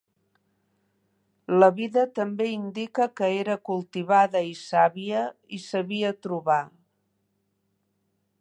La vida també indica que era cultivada i sàvia i sabia trobar.